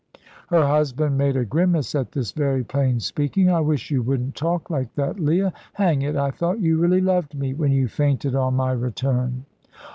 Her husband made a grimace at this very plain speaking. "I wish you wouldn't talk like that, Leah. Hang it, I thought you really loved me when you fainted on my return."